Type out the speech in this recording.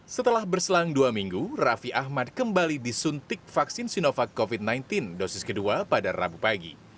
setelah berselang dua minggu raffi ahmad kembali disuntik vaksin sinovac covid sembilan belas dosis kedua pada rabu pagi